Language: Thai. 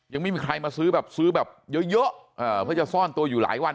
ยังไม่มีใครมาซื้อแบบซื้อแบบเยอะเพื่อจะซ่อนตัวอยู่หลายวัน